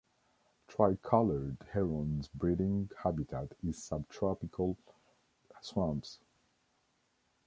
Tricolored heron's breeding habitat is sub-tropical swamps.